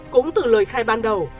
cũng từ lời khai ban đầu